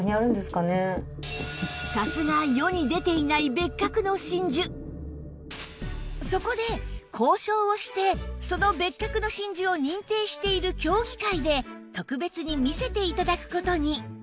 もちろんそうなるとさすがそこで交渉をしてその別格の真珠を認定している協議会で特別に見せて頂く事に